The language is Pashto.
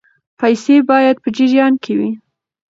پیسې باید په جریان کې وي.